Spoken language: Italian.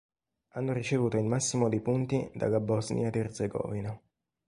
Hanno ricevuto il massimo dei punti dalla Bosnia ed Erzegovina.